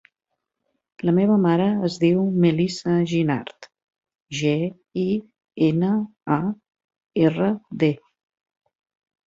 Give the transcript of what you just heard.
La meva mare es diu Melissa Ginard: ge, i, ena, a, erra, de.